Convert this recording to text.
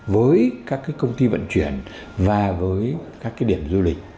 với các cái công ty vận chuyển và với các cái điểm du lịch